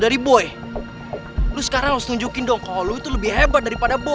yaudah kalo gitu gue cabut ya